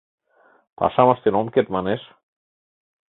Пашам ыштен ом керт манеш...